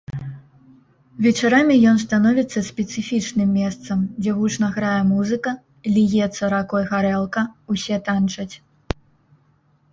Вечарамі ён становіцца спецыфічным месцам, дзе гучна грае музыка, ліецца ракой гарэлка, усе танчаць.